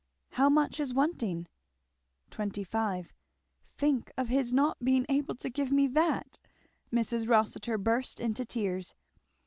"How much is wanting?" "Twenty five. Think of his not being able to give me that!" Mrs. Rossitur burst into tears.